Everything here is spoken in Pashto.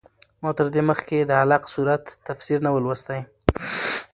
ما تر دې مخکې د علق سورت تفسیر نه و لوستی.